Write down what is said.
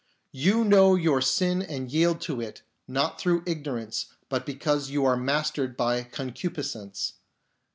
You know your sin and yield to it, not through ignorance, but because you are mastered by concupiscence.